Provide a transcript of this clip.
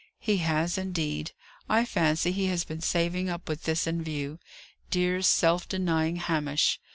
"He has, indeed. I fancy he has been saving up with this in view. Dear, self denying Hamish!"